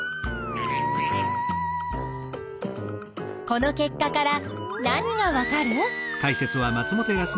この結果から何がわかる？